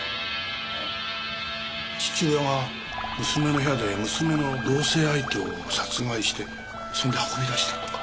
あっ父親が娘の部屋で娘の同棲相手を殺害してそれで運び出したのか？